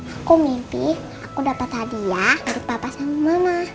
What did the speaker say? aku mimpi aku dapat hadiah dari papa sama mama